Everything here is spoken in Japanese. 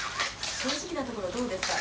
正直なところどうですか？